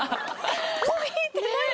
「もういいって何？」。